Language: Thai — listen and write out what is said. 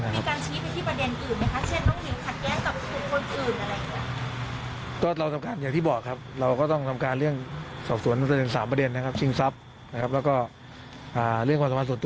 อศิลป์อศิลป์อศิลป์อศิลป์อศิลป์อศิลป์อศิลป์อศิลป์อศิลป์อศิลป์อศิลป์อศิลป์อศิลป์อศิลป์อศิลป์อศิลป์อศิลป์อศิลป์อศิลป์อศิลป์อศิลป์อศิลป์อศิลป์อศิลป์อศิ